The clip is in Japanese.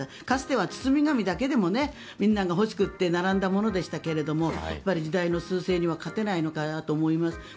かつては包み紙だけでもみんなが欲しくて並んだものでしたが時代のすう勢には勝てないのかなと思います。